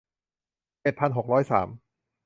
เจ็ดพันหกร้อยสาม